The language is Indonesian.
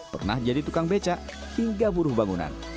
pernah jadi tukang becak hingga buruh bangunan